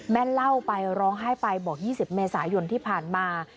เล่าไปร้องไห้ไปบอก๒๐เมษายนที่ผ่านมา